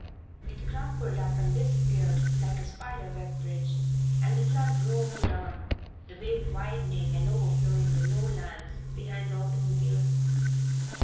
It crumpled up and disappeared like a spider web bridge, and the flood rolled on, the wave widening and overflowing the lowlands behind the automobile.